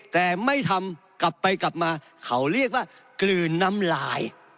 แต่ไม่ทำกลับไปกลับมาเขาเรียกว่ากลืนน้ำลาย